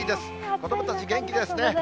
子どもたち元気ですね。